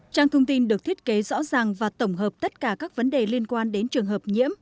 trang thông tin được thiết kế rõ ràng và tổng hợp tất cả các vấn đề liên quan đến trường hợp nhiễm